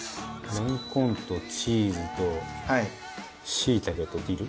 レンコンとチーズとしいたけとディル。